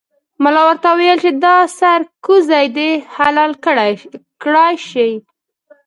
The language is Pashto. ملا ورته وویل چې دا سرکوزی دې حلال کړای شي.